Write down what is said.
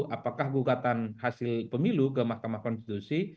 apakah gugatan hasil pemilu ke mahkamah konstitusi